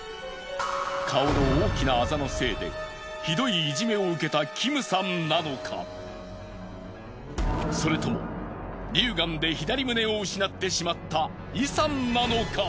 顔の大きなアザのせいでひどいイジメを受けたキムさんなのかそれとも乳がんで左胸を失ってしまったイさんなのか！？